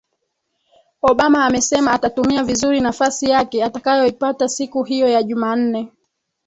obama amesema atatumia vizuri nafasi yake atakayoipata siku hiyo ya jumanne